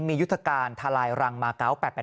มียุทธการทะลายรังมาก้าว๘๘๘